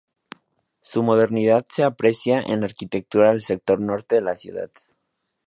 Su modernidad se aprecia en la arquitectura del sector norte de la ciudad.